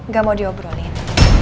gak mau diobrolin